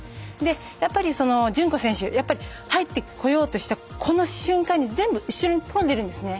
やっぱり順子選手入ってこようとしたこの瞬間、全部、後ろに飛んでいるんですね。